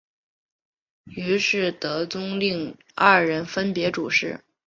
于是德宗令二人分别主事。